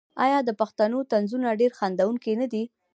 آیا د پښتنو طنزونه ډیر خندونکي نه دي؟